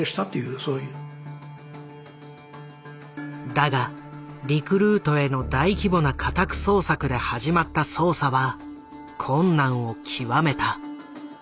だがリクルートへの大規模な家宅捜索で始まった捜査は困難を極めた。